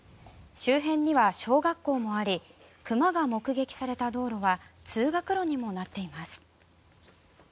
周辺には小学校もあり熊が目撃された道路は通学路にもなっています。